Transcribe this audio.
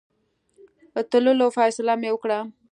تللو فیصله مې وکړه.